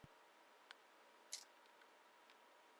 এইজন্য আরাকানের সঙ্গে ত্রিপুরার মাঝে মাঝে বিবাদ বাধিত।